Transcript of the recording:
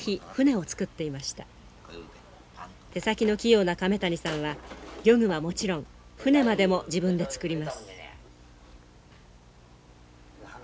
手先の器用な亀谷さんは漁具はもちろん舟までも自分で作ります。